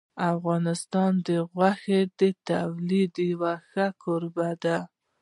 افغانستان د غوښې د تولید یو ښه کوربه دی.